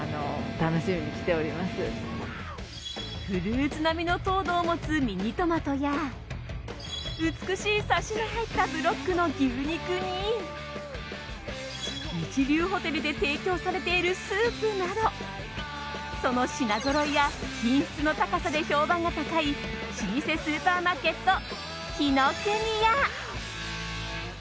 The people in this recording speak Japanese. フルーツ並みの糖度を持つミニトマトや美しいサシの入ったブロックの牛肉に一流ホテルで提供されているスープなどその品ぞろえや品質の高さで評判が高い老舗スーパーマーケット紀ノ国屋。